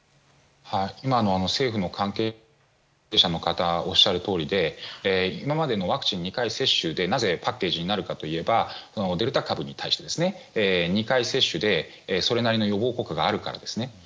今の政府の関係者の方がおっしゃるとおりで今までのワクチン２回接種でなぜ、パッケージになるかといえばデルタ株に対して２回接種でそれなりの予防効果があるからですね。